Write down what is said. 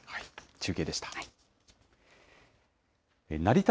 中継でした。